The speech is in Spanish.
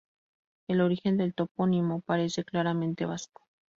El origen del topónimo parece claramente vasco.